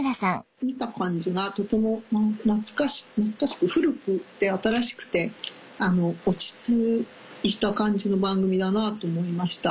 見た感じがとても懐かしく古くて新しくて落ち着いた感じの番組だなと思いました。